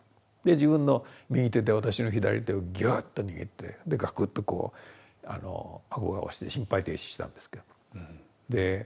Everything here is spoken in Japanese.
自分の右手で私の左手をギューッと握ってガクッとこう顎が落ちて心肺停止したんですけど。